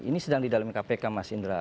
ini sedang di dalam kpk mas indra